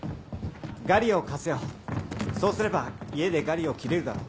ガリを貸すよそうすれば家でガリを切れるだろ？